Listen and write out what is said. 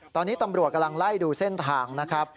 ตอนนี้ตำรวจกำลังไล่ดูเส้นทางนะครับ